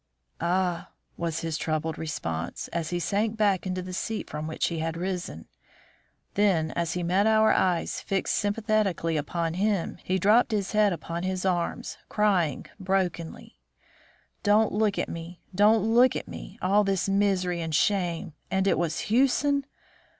"Ah!" was his troubled response, as he sank back into the seat from which he had risen. Then as he met our eyes fixed sympathetically upon him, he dropped his head upon his arms, crying brokenly: "Don't look at me! Don't look at me! All this misery and shame! And it was Hewson!